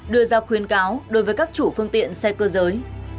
đưa ra khuyến cáo đối với các chủ phương tiện xe cơ giới